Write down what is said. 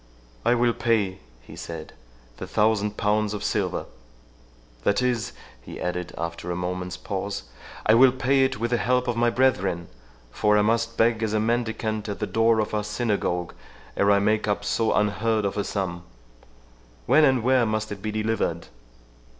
"I will pay," he said, "the thousand pounds of silver—That is," he added, after a moment's pause, "I will pay it with the help of my brethren; for I must beg as a mendicant at the door of our synagogue ere I make up so unheard of a sum.—When and where must it be delivered?"